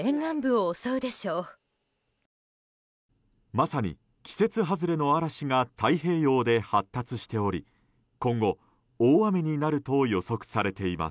まさに季節外れの嵐が太平洋で発達しており今後、大雨になると予測されています。